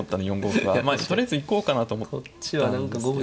とりあえず行こうかなと思ったんですけど。